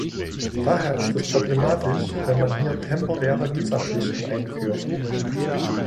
Daher ist es problematisch, wenn man hier temporäre Visapflichten einführt.